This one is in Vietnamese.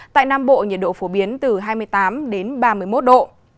tại nam bộ nhiệt độ phổ biến từ hai mươi tám đến ba mươi một độ